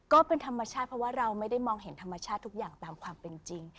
ก็เป็นธรรมชาติเพราะว่าเราไม่ได้มองเห็นธรรมชาติทุกอย่างตามความเป็นจริง